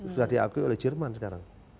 sudah diakui oleh jerman sekarang